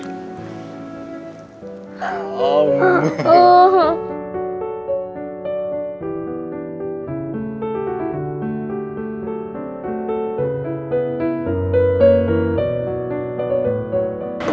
udah tau gak ini apa